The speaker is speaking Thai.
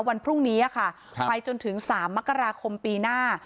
วันพรุ่งนี้ค่ะไปจนถึง๓มกราคมปีหน้า